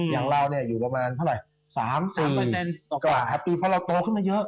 อย่างเราอยู่ประมาณ๓๔ก็ปีเพราะเราโตขึ้นมาเยอะ